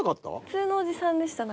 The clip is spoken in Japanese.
普通のおじさんでした。